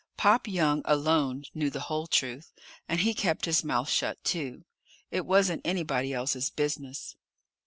Pop Young alone knew the whole truth, and he kept his mouth shut, too. It wasn't anybody else's business.